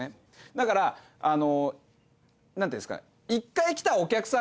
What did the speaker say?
だからなんていうんですか。